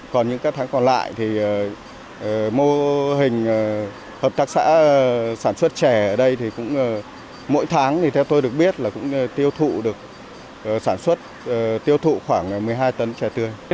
còn những tháng còn lại mô hình hợp tác xã sản xuất chè ở đây mỗi tháng theo tôi được biết là cũng tiêu thụ được sản xuất khoảng một mươi hai tấn chè tươi